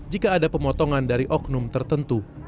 jika ada pemotongan dari oknum tertentu